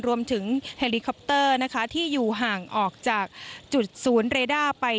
เฮลิคอปเตอร์นะคะที่อยู่ห่างออกจากจุดศูนย์เรด้าไป